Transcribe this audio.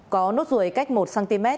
có nốt ruồi cách một cm